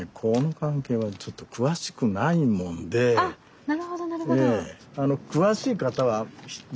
あっなるほどなるほど。